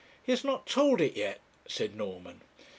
'He has not told it yet,' said Norman.